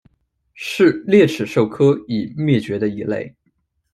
是鬣齿兽科已灭绝的一类。